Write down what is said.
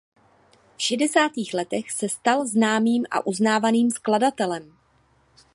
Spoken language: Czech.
V šedesátých letech se stal známým a uznávaným skladatelem.